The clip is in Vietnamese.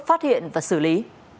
phát hiện và xử lý